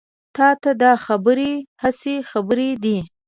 تا ته دا خبرې هسې خبرې دي.